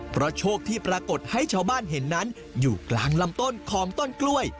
เพราะโชคที่ปรากฏให้ชาวบ้านเห็นนั้นอยู่กลางลำต้นของต้นกล้วย